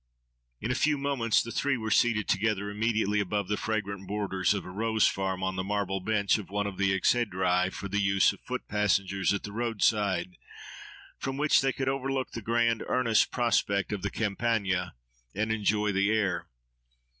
In a few moments the three were seated together, immediately above the fragrant borders of a rose farm, on the marble bench of one of the exhedrae for the use of foot passengers at the roadside, from which they could overlook the grand, earnest prospect of the Campagna, and enjoy the air.